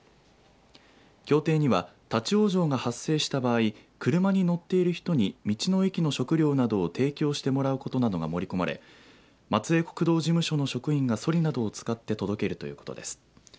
協定には立往生が発生した場合車に乗っている人に道の駅の食料などを提供してもらうことなどが盛り込まれ松江国道事務所の職員がそりなどを使って届けるということです。